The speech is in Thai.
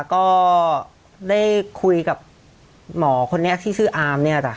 ก็ได้คุยกับหมอคนนี้ที่ชื่ออามเนี่ยจ้ะ